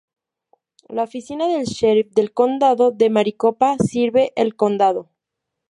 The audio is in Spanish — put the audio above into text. La Oficina del Sheriff del Condado de Maricopa sirve el condado.